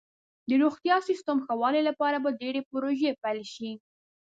د روغتیا سیستم ښه والي لپاره به ډیرې پروژې پیل شي.